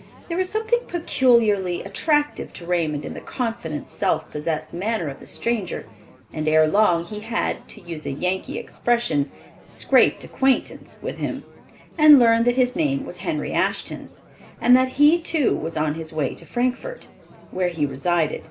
There was something peculiarly attractive to Raymond in the confident, self possessed manner of the stranger, and ere long he had, to use a Yankee expression, "scraped acquaintance" with him, and learned that his name was Henry Ashton, and that he too was on his way to Frankfort, where he resided.